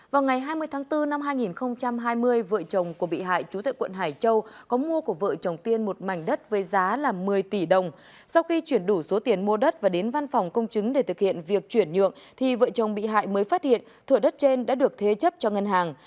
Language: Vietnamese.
vào ngày hai mươi tháng bốn năm hai nghìn hai mươi vợ chồng của bị hại chú tại quận hải châu có mua của vợ chồng tiên một mảnh đất với giá là một mươi tỷ đồng sau khi chuyển đủ số tiền mua đất và đến văn phòng công chứng để thực hiện việc chuyển nhượng thì vợ chồng bị hại mới phát hiện thửa đất trên đã được thế chấp cho ngân hàng